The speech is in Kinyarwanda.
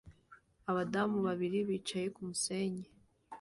Abadamu babiri bicaye kumusenyi